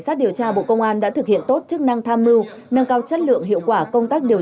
cảnh sát điều tra bộ công an đã thực hiện tốt chức năng tham mưu nâng cao chất lượng hiệu quả công tác điều